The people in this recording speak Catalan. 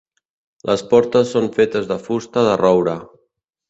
Les portes són fetes de fusta de roure.